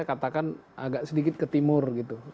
katakan agak sedikit ke timur gitu